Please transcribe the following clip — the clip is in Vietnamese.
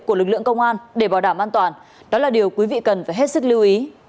của lực lượng công an để bảo đảm an toàn đó là điều quý vị cần phải hết sức lưu ý